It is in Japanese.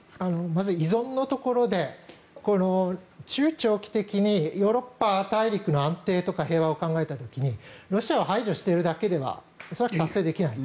まず依存のところで中長期的にヨーロッパ大陸の安定とか平和を考えた時にロシアを排除しているだけでは恐らく達成できない。